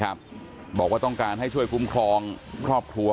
แล้วอันนี้ก็เปิดแล้ว